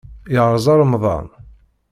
Yerẓa remḍan.